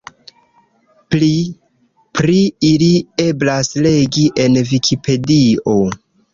Pli pri ili eblas legi en Vikipedio.